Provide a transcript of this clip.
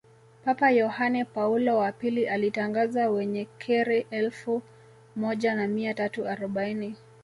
papa yohane paulo wa pili alitangaza Wenye kheri elfu moja na mia tatu arobaini